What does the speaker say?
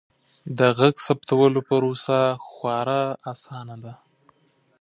د غږ ثبتولو پروسه خورا اسانه ده.